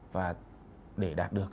và để đạt được